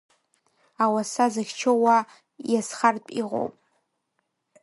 Ауаса зыхьчо уа иазхартә иҟоуп…